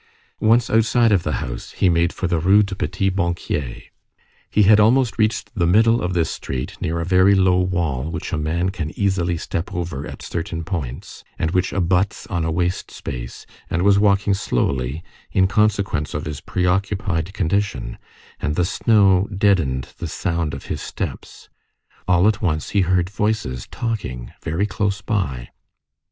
Once outside of the house, he made for the Rue du Petit Banquier. He had almost reached the middle of this street, near a very low wall which a man can easily step over at certain points, and which abuts on a waste space, and was walking slowly, in consequence of his preoccupied condition, and the snow deadened the sound of his steps; all at once he heard voices talking very close by.